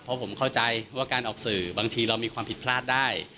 เพราะผมเข้าใจว่าการออกสื่อบางทีเรามีความผิดพลาดได้